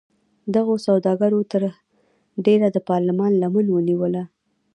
دغو سوداګرو تر ډېره د پارلمان لمن ونیوله.